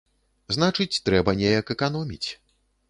Значыць, трэба неяк эканоміць.